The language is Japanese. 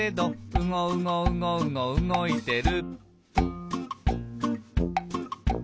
「うごうごうごうごうごいてる」